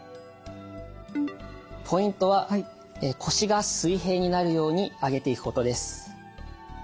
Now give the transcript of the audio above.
ポイントは腰が水平になるように上げていくことです。